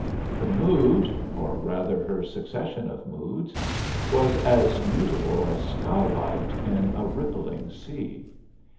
Her mood, or rather her succession of moods, was as mutable as skylight in a rippling sea.